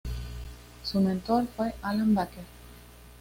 Su mentor fue Alan Baker.